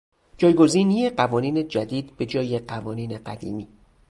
جایگزینی قوانین جدید به جای قوانین قدیمی